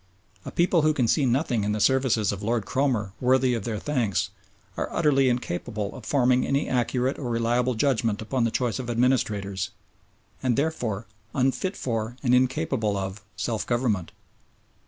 A people who can see nothing in the services of Lord Cromer worthy of their thanks are utterly incapable of forming any accurate or reliable judgment upon the choice of administrators, and therefore unfit for and incapable of self government.